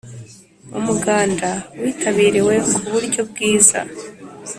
Umuganda witabiriwe ku buryo bwiza